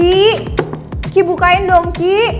rizky bukain dong ki